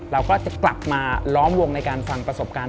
เราก็จะกลับมาล้อมวงในการฟังประสบการณ์